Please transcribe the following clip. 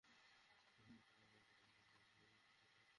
তোমাকেই বলতে হবে, কিনাই।